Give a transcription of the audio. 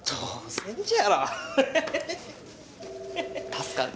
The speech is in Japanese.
助かる。